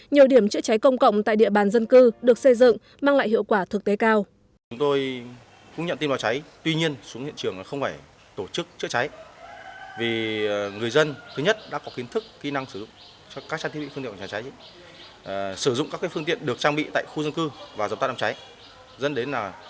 nhiều điểm chữa cháy công cộng tại địa bàn dân cư được xây dựng mang lại hiệu quả thực tế cao